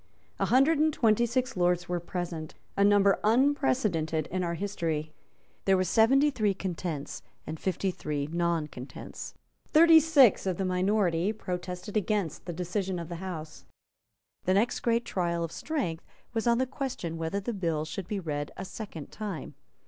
A hundred and twenty six lords were present, a number unprecedented in our history. There were seventy three Contents, and fifty three Not Contents. Thirty six of the minority protested against the decision of the House. The next great trial of strength was on the question whether the bill should be read a second time.